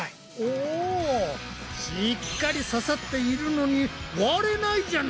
おしっかり刺さっているのに割れないじゃないか。